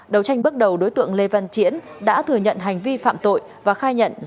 đầu tranh bước đầu đối tượng lê văn chiễn đã thừa nhận hành vi phạm tội và khai nhận do mâu thuẫn